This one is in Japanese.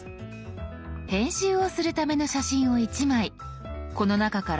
編集をするための写真を１枚この中から選ぶ必要があります。